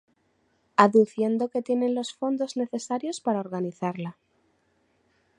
Aduciendo que tienen los fondos necesarios para organizarla.